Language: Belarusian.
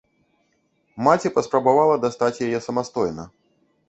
Маці паспрабавала дастаць яе самастойна.